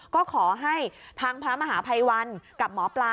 ก็ขอให้ทางพระมหาภัยวันกับหมอปลา